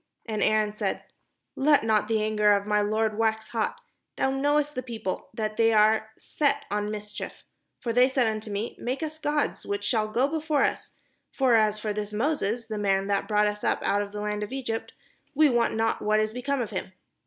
And Aaron said: "Let not the anger of my lord wax hot. Thou knowest the people, that they are set on mis chief. For they said unto me, ' Make us gods, which shall go before us; for as for this Moses, the man that brought us up out of the land of Egypt, we wot not what is be come of him.'